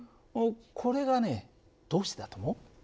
これがねどうしてだと思う？